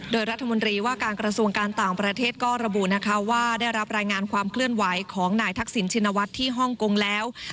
โดยรัฐมนตรีว่าการกระทรวงการต่างประเทศก็ระบุนะคะว่าได้รับรายงานความเคลื่อนไหวของนายทักษิณชินวัฒน์ที่ฮ่องกงแล้ว